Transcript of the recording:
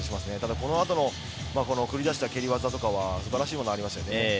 この後繰り出した蹴り技とかは素晴らしいものがありましたね。